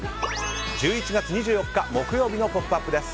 １１月２４日、木曜日の「ポップＵＰ！」です。